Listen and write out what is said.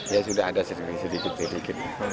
ya sudah ada sedikit sedikit